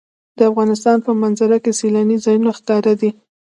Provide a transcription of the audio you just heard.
د افغانستان په منظره کې سیلاني ځایونه ښکاره دي.